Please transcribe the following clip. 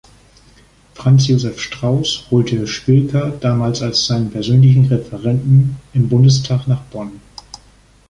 Franz Josef Strauß holte Spilker damals als seinen persönlichen Referenten im Bundestag nach Bonn.